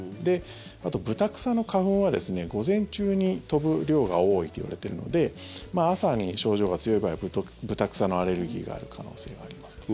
あと、ブタクサの花粉は午前中に飛ぶ量が多いといわれているので朝に症状が強い場合はブタクサのアレルギーがある可能性があります。